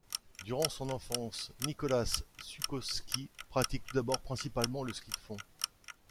Durant son enfance, Nickolas Zukowsky pratique tout d'abord principalement le ski de fond.